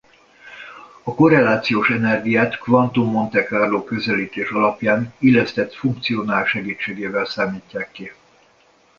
A korrelációs energiát kvantum Mote Carlo közelítés alapján illesztett funkcionál segítségével számítják ki.